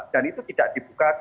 dan itu tidak dibuka